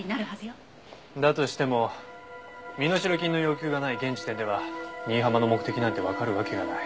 だとしても身代金の要求がない現時点では新浜の目的なんてわかるわけがない。